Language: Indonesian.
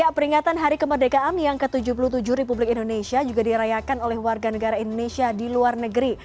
peringatan hari kemerdekaan yang ke tujuh puluh tujuh republik indonesia juga dirayakan oleh warga negara indonesia di luar negeri